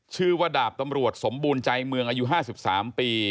ชื่อว่าดาบตำรวจสมบูรณ์ใจเมืองอายุ๕๓ปี